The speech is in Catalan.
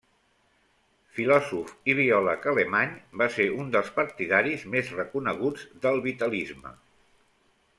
Filòsof i biòleg alemany, va ser un dels partidaris més reconeguts del vitalisme.